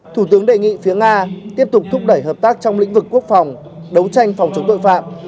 thủ tướng đề nghị phía nga tiếp tục thúc đẩy hợp tác trong lĩnh vực quốc phòng đấu tranh phòng chống tội phạm